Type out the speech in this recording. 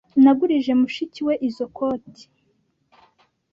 Nagurije mushiki we izo coti